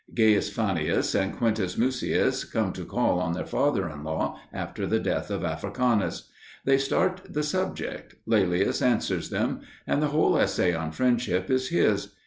Gaius Fannius and Quintus Mucius come to call on their father in law after the death of Africanus. They start the subject; Laelius answers them. And the whole essay on friendship is his.